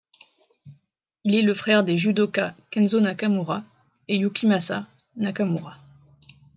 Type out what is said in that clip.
Il est le frère des judokas Kenzo Nakamura et Yukimasa Nakamura.